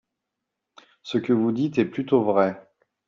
Ce que vous dites est plutôt vrai.